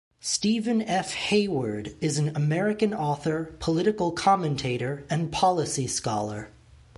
Steven F. Hayward is an American author, political commentator, and policy scholar.